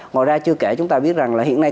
ngoài ra chưa kể chúng ta biết rằng là hiện nay